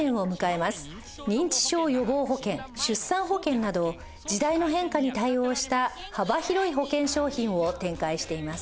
認知症予防保険出産保険など時代の変化に対応した幅広い保険商品を展開しています